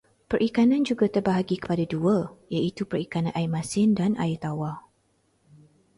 Perikanan juga terbahagi kepada dua, iaitu perikanan air masin dan air tawar.